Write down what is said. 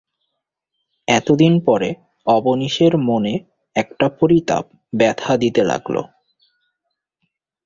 এতদিন পরে অবনীশের মনে একটা পরিতাপ ব্যথা দিতে লাগল।